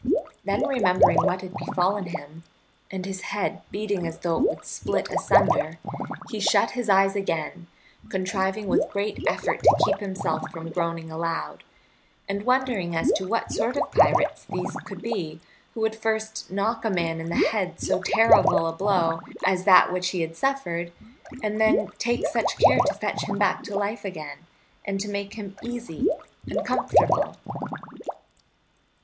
Then remembering what had befallen him, and his head beating as though it would split asunder, he shut his eyes again, contriving with great effort to keep himself from groaning aloud, and wondering as to what sort of pirates these could be who would first knock a man in the head so terrible a blow as that which he had suffered, and then take such care to fetch him back to life again, and to make him easy and comfortable.